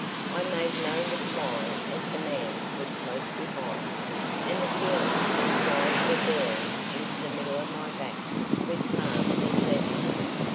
I made no reply as the man was close behind, and the feeling that his eyes were boring into the middle of my back was far from pleasant.